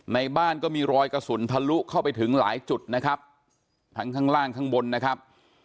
ในบ้านก็มีรอยกระสุนทะลุเข้าไปถึงหลายจุดนะครับทั้งข้างล่างข้างบนนะครับ